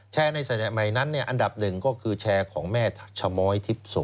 ในสมัยใหม่นั้นอันดับหนึ่งก็คือแชร์ของแม่ชะม้อยทิพย์โส